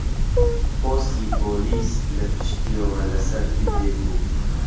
پۆستی پۆلیس لە پشتیەوە لەسەر گردێک بوو